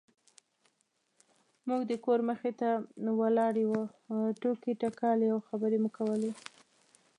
موږ د کور مخې ته ولاړې وو ټوکې ټکالې او خبرې مو کولې.